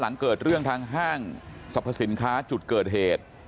หลังเกิดเรื่องทางห้างสรรพสินค้าจุดเกิดเหตุ